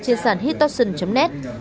trên sàn hittoxin net